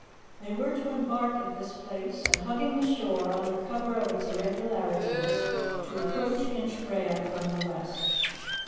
They were to embark at this place, and, hugging the shore, under cover of its irregularities, to approach Inchbrayock from the west.